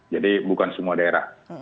jadi bukan semua daerah